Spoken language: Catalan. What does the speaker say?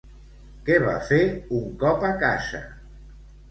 Què va fer un cop a casa?